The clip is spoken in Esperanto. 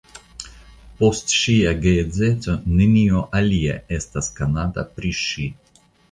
Post ŝia geedzeco nenio alia estas konata pri ŝi.